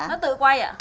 nó tự quay ạ